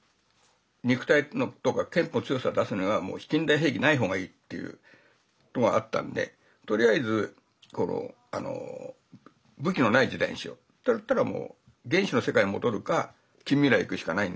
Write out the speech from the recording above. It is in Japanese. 肉体とか拳法の強さを出すならもう近代兵器ない方がいいっていうのはあったんでとりあえず武器のない時代にしようっていったらもう原始の世界に戻るか近未来に行くしかないんで。